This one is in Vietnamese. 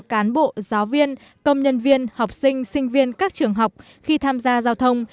cán bộ giáo viên công nhân viên học sinh sinh viên các trường học khi tham gia giao thông